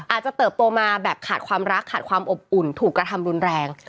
เติบโตมาแบบขาดความรักขาดความอบอุ่นถูกกระทำรุนแรง